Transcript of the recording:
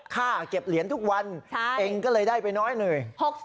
เก็บเหรียญทุกวันเองก็เลยได้ไปน้อยหน่อย